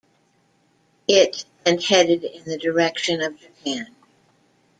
It and headed in the direction of Japan.